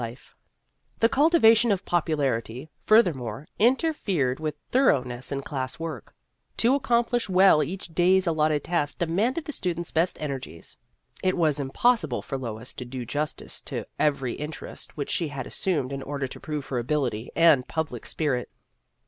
The History of an Ambition 35 The cultivation of popularity, further more, interfered with thoroughness in class work. To accomplish well each day's al lotted task demanded the student's best energies. It was impossible for Lois to do justice to every interest which she had assumed in order to prove her ability and public spirit.